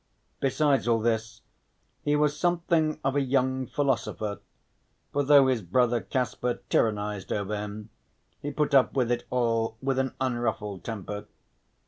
Besides all this he was something of a young philosopher, for though his brother Kasper tyrannized over him he put up with it all with an unruffled temper.